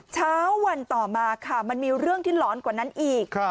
เช้าวันต่อมาค่ะมันมีเรื่องที่ร้อนกว่านั้นอีก